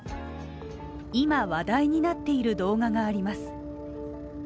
今話題になっている動画があります。